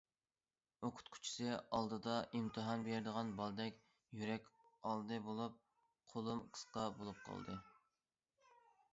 ئوقۇتقۇچىسى ئالدىدا ئىمتىھان بېرىدىغان بالىدەك يۈرەك ئالدى بولۇپ،- قولۇم قىسقا بولۇپ قالدى.